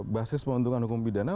basis pembentukan hukum pidana